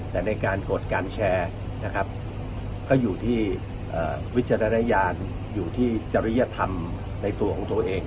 แต่ในการกดการแชร์นะครับก็อยู่ที่วิจารณญาณอยู่ที่จริยธรรมในตัวของตัวเอง